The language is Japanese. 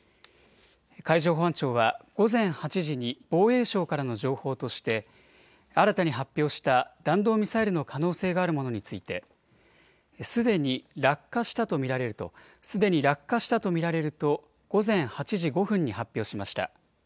海上保安庁は午前８時に防衛省からの情報として新たに発表した弾道ミサイルの可能性があるものについてすでに落下したと見られると午前８時５分に発表しました。